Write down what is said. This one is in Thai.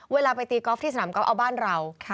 เวลาไปตีกอล์ฟที่สนามกอล์เอาบ้านเรา